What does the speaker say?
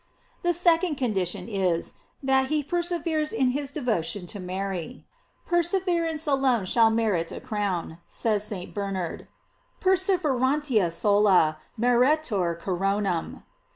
The second condition is, that he per severes in his devotion to Mary. Perseverance alone shall merit a crown, says St. Bernard: "Perseverantia sola meretur coronam."